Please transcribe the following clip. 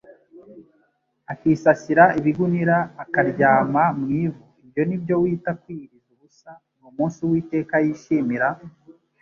akisasira ibigunira, akaryama mu ivu, ibyo ni byo wita kwiyiriza ubusa n'umunsi Uwiteka yishimira?